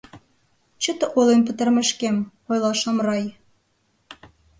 — Чыте ойлен пытарымешкем, — ойла Шамрай.